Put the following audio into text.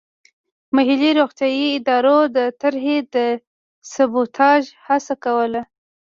محلي روغتیايي ادارو د طرحې د سبوتاژ هڅه کوله.